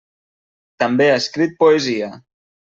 També ha escrit poesia.